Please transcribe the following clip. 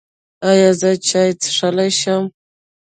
ایا زه چای څښلی شم؟